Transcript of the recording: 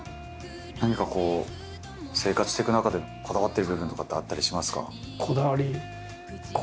何かこう生活していく中でこだわってる部分とかってあったりしますか？